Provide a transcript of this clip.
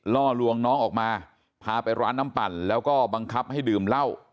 ล่อลวงน้องออกมาพาไปร้านน้ำปั่นแล้วก็บังคับให้ดื่มเหล้า